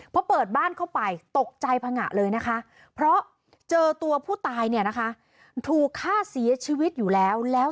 พอเปิดบ้านเข้าไปตกใจพังงะเลยนะคะเพราะเจอตัวผู้ตายเนี่ยนะคะถูกฆ่าเสียชีวิตอยู่แล้วแล้ว